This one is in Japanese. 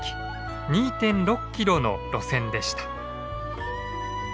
２．６キロの路線でした。